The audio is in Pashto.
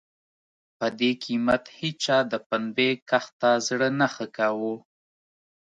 په دې قېمت هېچا د پنبې کښت ته زړه نه ښه کاوه.